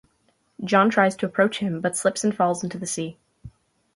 John tries to approach him, but slips and falls into the sea.